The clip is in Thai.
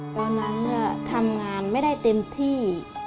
ตอนนั้นทำงานไม่ได้เต็มที่